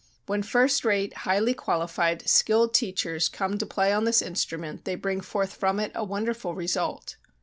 When first rate, highly qualified, skilled teachers come to play on this instrument they bring forth from it a wonderful result.